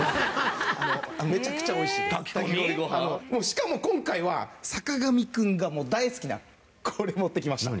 しかも今回は坂上くんが大好きなこれ持ってきました。